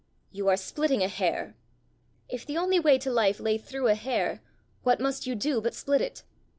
"You are splitting a hair!" "If the only way to life lay through a hair, what must you do but split it?